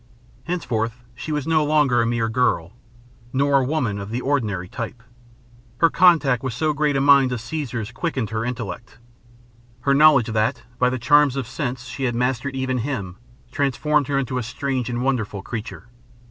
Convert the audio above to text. Henceforth she was no longer a mere girl, nor a woman of the ordinary type. Her contact with so great a mind as Caesar's quickened her intellect. Her knowledge that, by the charms of sense, she had mastered even him transformed her into a strange and wonderful creature.